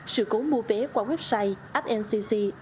sự cố mua vé qua website app ncc được khẩn trương khắc phục